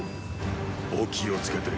お気を付けて。